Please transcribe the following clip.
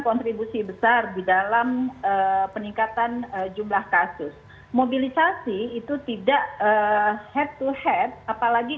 kontribusi besar di dalam peningkatan jumlah kasus mobilisasi itu tidak head to head apalagi